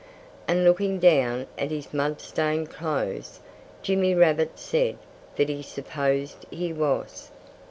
And looking down at his mud stained clothes, Jimmy Rabbit said that he supposed he was.